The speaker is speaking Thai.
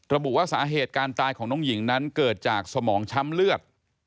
ระบุว่าสาเหตุการตายของน้องหญิงนั้นเกิดจากสมองช้ำเลือด